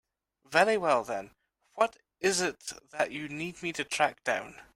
Very well then, what is it that you need me to track down?